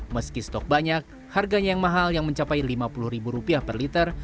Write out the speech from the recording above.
meski stok banyak harganya yang mahal yang mencapai rp lima puluh ribu rupiah per liter